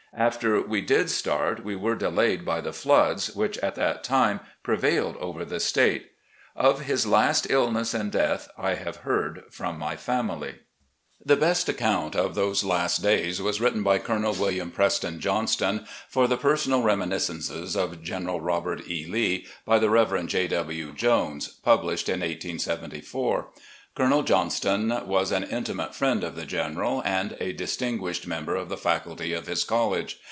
After we did start we were delayed by the floods, which at that time prevailed over the State. Of his last illness and death I have heard from my family. 434. RECOLLECTIONS OF GENERAL LEE The best account of those last days was written by Colonel William Preston Johnston for the "Personal Reminiscences of General Robert E. Lee," by the Rev. J. W. Jones, published in 1874. Colonel Johnston was an intimate friend of the General and a distinguished member of the faculty of his college.